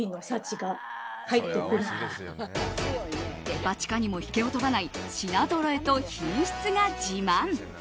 デパ地下にも引けを取らない品ぞろえと品質が自慢。